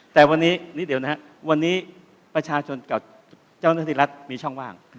แต่วันนี้ประชาชนกับเจ้าหน้าที่รัฐมีช่องว่าง